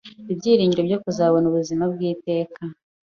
ibyiringiro byo kuzabona ubuzima bw’iteka